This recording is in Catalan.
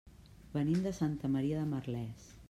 Venim de Santa Maria de Merlès.